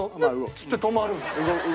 っつって止まるの。